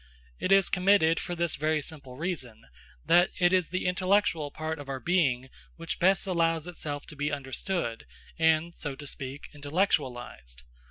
It is committed for this very simple reason, that it is the intellectual part of our being which best allows itself to be understood, and, so to speak, intellectualised.